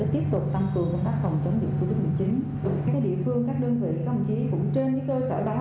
các địa phương các đơn vị thậm chí cũng trên cái cơ sở đó